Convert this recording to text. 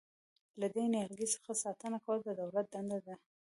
له دې نیالګي څخه ساتنه کول د دولت دنده ده.